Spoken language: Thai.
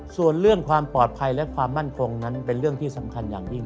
ส่วนเรื่องความปลอดภัยและความมั่นคงนั้นเป็นเรื่องที่สำคัญอย่างยิ่ง